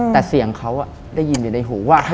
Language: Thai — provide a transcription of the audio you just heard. แต่เสียงเขาได้ยินอยู่ในหูว่า